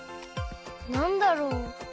なんだろう？